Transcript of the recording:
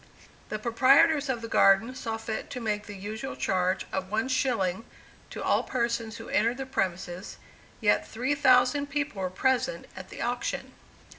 The proprietors of the Garden saw fit to make the usual charge of one shilling to all persons who entered the premises, yet three thousand people were present at the auction.